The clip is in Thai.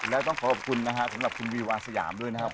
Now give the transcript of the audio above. และต้องขอบคุณนะฮะคุณวิวอาซายามด้วยนะครับ